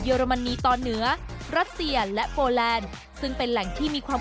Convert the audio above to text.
อรมนีตอนเหนือรัสเซียและโฟแลนด์ซึ่งเป็นแหล่งที่มีความ